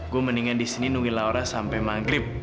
gue mendingan di sini nunggui laura sampai maghrib